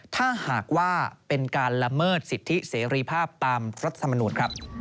ถ้าหากว่าเป็นการละเมิดสิทธิเสรีภาพตามรัฐธรรมนูลครับ